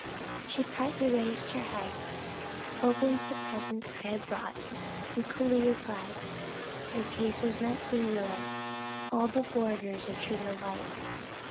She partly raised her head, opened the present I had brought, and coolly replied, 'Your case is not singular; all the foreigners are treated alike.'